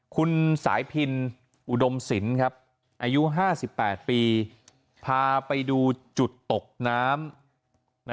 คุณสายพินอุดมศิลป์อายุ๕๘ปีพาไปดูจุดตกน้ำ